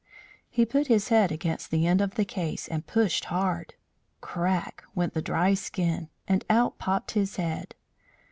He put his head against the end of the case and pushed hard. Crack! went the dry skin, and out popped his head.